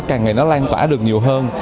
càng ngày nó lan tỏa được nhiều hơn